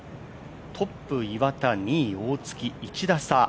トップ岩田、２位大槻、１打差。